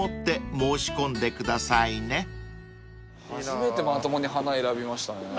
初めてまともに花選びましたね。